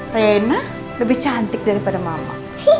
raina lebih cantik daripada mama